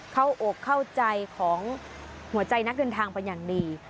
เข้าอกเข้าใจของหัวใจนักเดินทางไปอย่างนี้